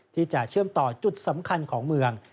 ที่จะเชื่อมต่อจุดสำคัญของเมือง